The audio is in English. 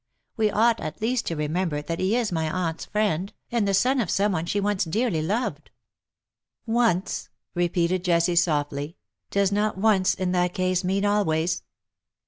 We ought at least to remember that he is my aunt^s friend, and the son of some one she once dearly loved.^^ " Once/^ repeated Jessie^ softly ;" does not once in that case mean always